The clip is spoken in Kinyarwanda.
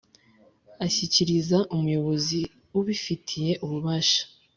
ashyikiriza umuyobozi ubifitiye ububasha